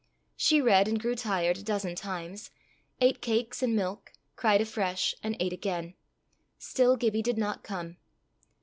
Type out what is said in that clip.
She read and grew tired a dozen times; ate cakes and milk, cried afresh, and ate again. Still Gibbie did not come.